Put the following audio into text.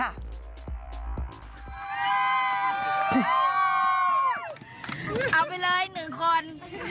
เอาไปเลยหนึ่งคน